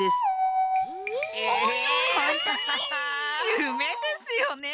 ゆめですよね。